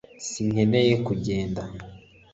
sinkeneye kugenda